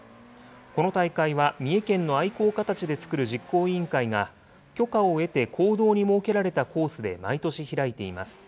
この大会は、三重県の愛好家たちで作る実行委員会が、許可を得て公道に設けられたコースで毎年開いています。